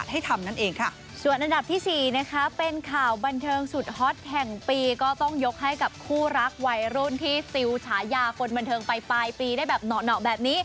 ทำนั่นเองค่ะส่วนอันดับที่๔นะคะเป็นข่าวบันเทิงสุดฮอตแห่งปีก็ต้องยกให้กับคู่รักวัยรุ่นที่ติวฉายาคนบันเทิงไปปลายปีได้แบบเหนาะแบบนี้